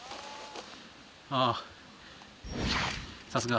ああさすが。